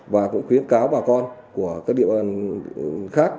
và cũng khuyến cáo bà con của các địa bàn khác